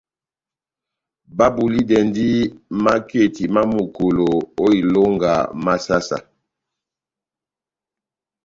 Babulidɛndi maketi má Mukolo ó ilonga má saha-saha.